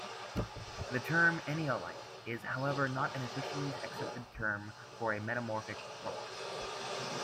The term anyolite is however not an officially accepted term for a metamorphic rock.